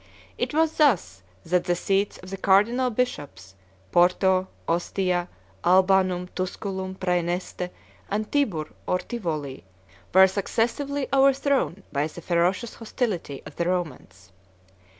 It was thus that the seats of the cardinal bishops, Porto, Ostia, Albanum, Tusculum, Præneste, and Tibur or Tivoli, were successively overthrown by the ferocious hostility of the Romans.